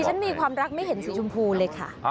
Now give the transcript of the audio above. ฉันมีความรักไม่เห็นสีชมพูเลยค่ะ